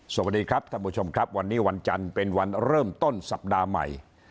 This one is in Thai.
สวัสดีครับท่านผู้ชมครับวันนี้วันจันทร์เป็นวันเริ่มต้นสัปดาห์ใหม่